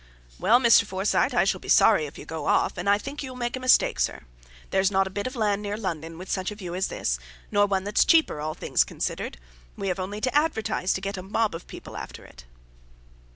"Well, Mr. Forsyte, I shall be sorry if you go off, and I think you'll make a mistake, Sir. There's not a bit of land near London with such a view as this, nor one that's cheaper, all things considered; we've only to advertise, to get a mob of people after it."